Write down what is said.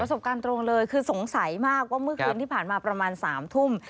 สบการณ์ตรงเลยคือสงสัยมากว่าเมื่อคืนที่ผ่านมาประมาณ๓ทุ่ม